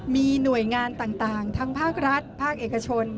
มีหน่วยงานต่างทั้งภาครัฐภาคเอกชน